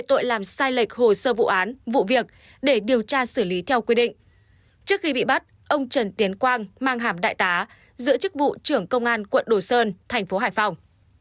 trước khi bị bắt ông trần tiến quang mang hàm đại tá giữ chức vụ trưởng công an quận đồ sơn thành phố hải phòng